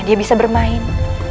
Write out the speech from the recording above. dia bisa bermain